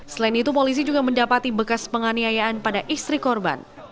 selain itu polisi juga mendapati bekas penganiayaan pada istri korban